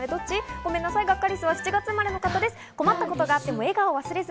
ごめんなさい、ガッカりすは７月生まれの方です。